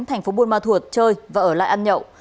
thành phố buôn ma thuột chơi và ở lại ăn nhậu